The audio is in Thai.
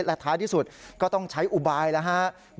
และท้ายที่สุดก็ต้องใช้อุบายแล้วครับ